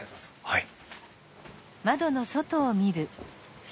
はい。